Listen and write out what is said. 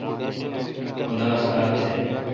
خدا خار تھہ۔